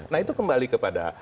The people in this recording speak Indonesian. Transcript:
nah itu kembali kepada